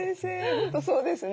本当そうですね。